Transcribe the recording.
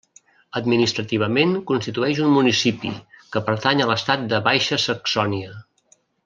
Administrativament constitueix un municipi, que pertany a l'estat de Baixa Saxònia.